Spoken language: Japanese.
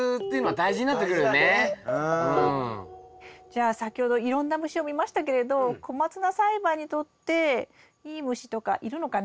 じゃあ先ほどいろんな虫を見ましたけれどコマツナ栽培にとっていい虫とかいるのかなあ？